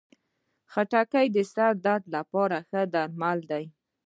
خټکی د سر درد لپاره ښه درمل دی.